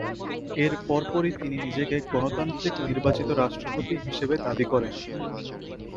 এর পরপরই তিনি নিজেকে গণতান্ত্রিকভাবে নির্বাচিত রাষ্ট্রপতি হিসেবে দাবি করেন।